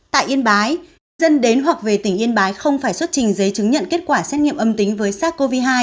tại yên bái dân đến hoặc về tỉnh yên bái không phải xuất trình giấy chứng nhận kết quả xét nghiệm âm tính với sars cov hai